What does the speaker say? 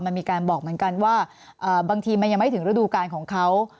มันมีการบอกเหมือนกันว่าบางทีมันยังไม่ถึงฤดูการของเขา